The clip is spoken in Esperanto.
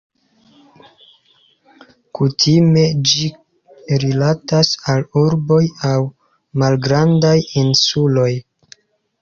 Kutime ĝi rilatas al urboj aŭ malgrandaj insuloj.